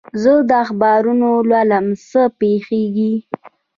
زه اخبارونه لولم، څه پېښېږي؟